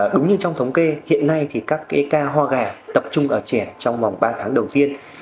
đúng như trong thống kê hiện nay các ca hoa gà tập trung ở trẻ trong vòng ba tháng đầu tiên